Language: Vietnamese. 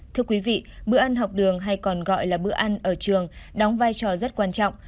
thưa quý vị bữa ăn học đường hay còn gọi là bữa ăn ở trường đóng vai trò rất quan trọng